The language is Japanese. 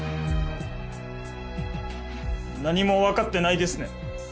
何もわかってないですね